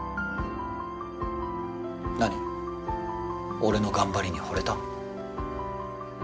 俺の頑張りにほれた？